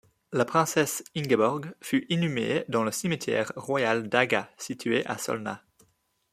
La princesse Ingeborg fut inhumée dans le Cimetière royal d'Haga situé à Solna.